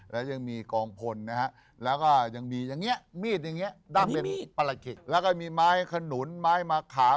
แบบธรรมดา